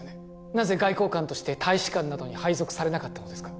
なぜ外交官として大使館などに配属されなかったのですか？